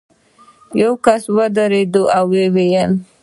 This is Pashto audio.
یو کس ودرېد او ویې ویل.